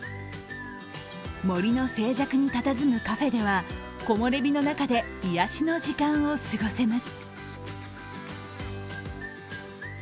森の静寂にたたずむカフェでは木漏れ日の中で癒やしの時間を過ごせます。